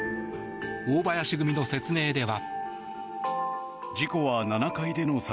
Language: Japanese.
大林組の説明では。